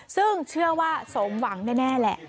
ซึ่งเชื่อว่าสมหวังแน่แหละ